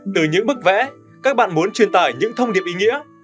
từ những bức vẽ các bạn muốn truyền tải những thông điệp ý nghĩa